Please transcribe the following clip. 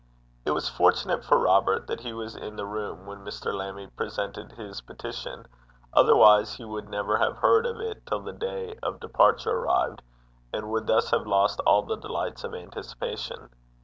It was fortunate for Robert that he was in the room when Mr. Lammie presented his petition, otherwise he would never have heard of it till the day of departure arrived, and would thus have lost all the delights of anticipation.